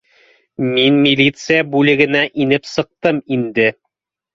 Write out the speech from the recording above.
Мин милиция бүлегенә инеп сыҡтым инде